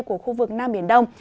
của khu vực nam biển đông